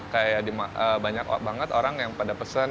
kayak banyak banget orang yang pada pesen